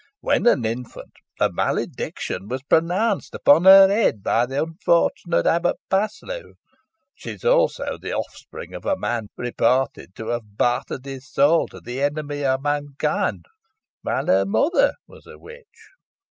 When an infant, a malediction was pronounced upon her head by the unfortunate Abbot Paslew. She is also the offspring of a man reputed to have bartered his soul to the Enemy of Mankind, while her mother was a witch.